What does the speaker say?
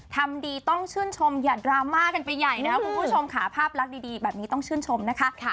ทำดีต้องชื่นชมอย่าดราม่ากันไปใหญ่นะคุณผู้ชมค่ะภาพลักษณ์ดีแบบนี้ต้องชื่นชมนะคะ